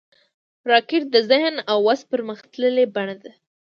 راکټ د ذهن او وس پرمختللې بڼه ده